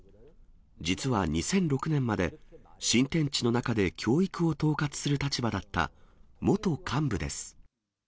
実は２００６年まで、新天地の中で教育を統括する立場だった、元幹部です。